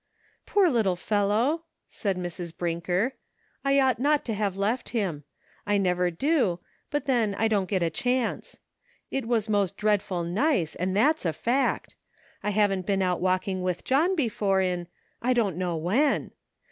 " Poor little fellow !" said Mrs. Brinker ;" I ought not to have left him. I never do ; but then 1 don't get a chance. It was most dread ful nice, and that's a fact. I haven't been out walkins: with John before in — I don't know when.